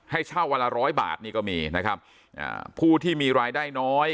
ให้เช่าวันละร้อยบาทนี่ก็มีนะครับอ่าผู้ที่มีรายได้น้อย